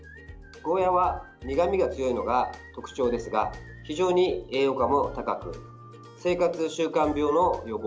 ゴーヤーは苦みが強いのが特徴ですが非常に栄養価も高く生活習慣病の予防